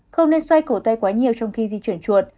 không nên xoay cổ tay quá nhiều trong khi di chuyển chuột